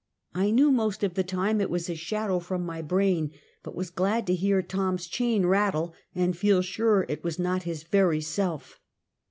I knew most of the time it was a shadow from my brain, but was glad to hear Tom's chain rattle and feel sure it was not his very self.